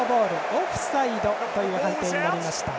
オフサイドという判定になりました。